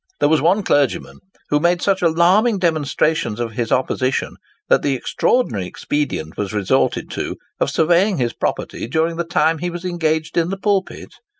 There was one clergyman, who made such alarming demonstrations of his opposition, that the extraordinary expedient was resorted to of surveying his property during the time he was engaged in the pulpit.